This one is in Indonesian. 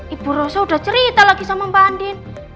ibu rosa udah cerita lagi sama mbak andien